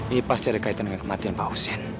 ini pasti ada kaitan dengan kematian pak hussein